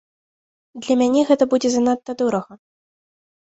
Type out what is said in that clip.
Для мяне гэта будзе занадта дорага.